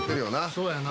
そうやな。